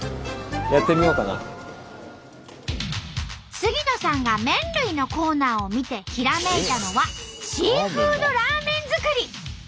杉野さんが麺類のコーナーを見てひらめいたのはシーフードラーメン作り。